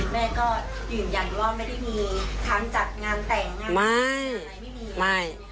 แม่ก็ยืนยันว่าไม่ได้มีทางจัดงานแต่งงานไม่ไม่มีไม่